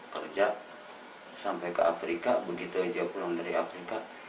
kerja sampai ke afrika begitu aja pulang dari afrika